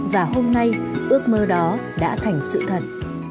và hôm nay ước mơ đó đã thành sự thật